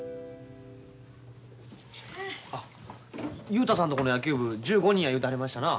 雄太さんとこの野球部１５人や言うてはりましたな。